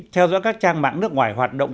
theo dõi các trang mạng nước ngoài hoạt động